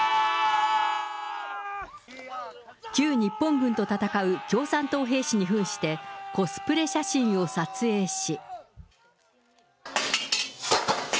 旧日本軍と戦う共産党兵士にふんして、コスプレ写真を撮影し。